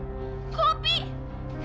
aduh gue kayaknya ada teman teman